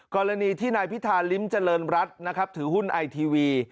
กรณีที่นายพิธาลิ้มเจริญรัฐนะครับถือหุ้นไอทีวี